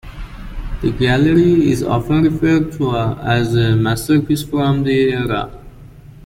"The Gallery" is often referred to as a masterpiece from the era.